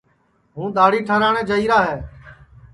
ہوں دؔاڑی ٹھراٹؔے جائیرا ہے